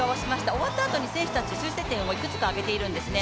終わったあとに選手たち、修正点をいくつか上げているんですね。